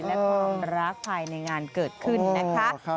และความรักภายในงานเกิดขึ้นนะคะ